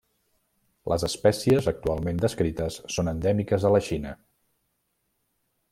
Les espècies actualment descrites són endèmiques de la Xina.